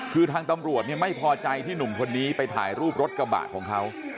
คือทางตำรวจไม่พอใจที่หนุ่มคนนี้ไปถ่ายรูปรถกระบะของเขา